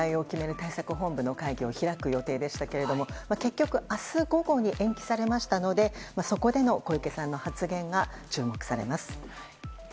対策本部の会議を開く予定でしたが結局、明日午後に延期されましたのでそこでの小池さんの発言が注目されます。